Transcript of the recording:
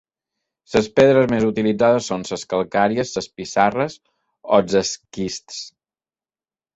Les pedres més utilitzades són les calcàries, les pissarres o els esquists.